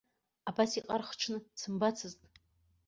Абас иҟар хҽны дсымбацызт.